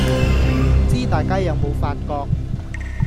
唔知大家有冇發覺